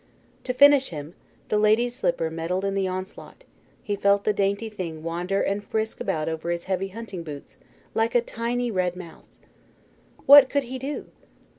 To finish him, the lady's slipper meddled in the onslaught: he felt the dainty thing wander and frisk about over his heavy hunting boots like a tiny red mouse. What could he do?